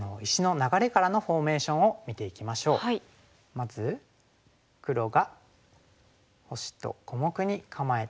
まず黒が星と小目に構えたところ。